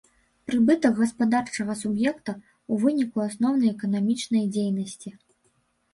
Прыбытак гаспадарчага суб'екта ў выніку асноўнай эканамічнай дзейнасці.